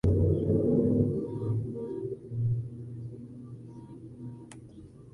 Su hijo, Bradford Cover, es actor y vive en la ciudad de Nueva York.